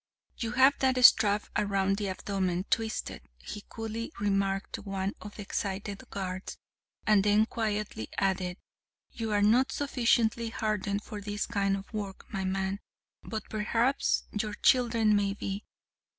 "'You have that strap around the abdomen twisted,' he coolly remarked to one of the excited guards, and then quietly added, 'you are not sufficiently hardened for this kind of work, my man, but perhaps your children may be.'